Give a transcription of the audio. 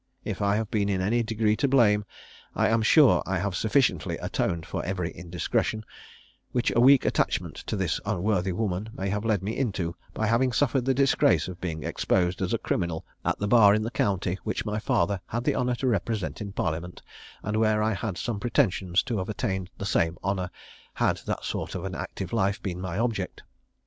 If I have been in any degree to blame, I am sure I have sufficiently atoned for every indiscretion, which a weak attachment to this unworthy woman may have led me into, by having suffered the disgrace of being exposed as a criminal at the bar in the county which my father had the honour to represent in parliament, and where I had some pretensions to have attained the same honour, had that sort of an active life been my object.